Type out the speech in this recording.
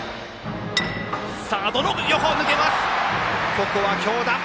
ここは強打。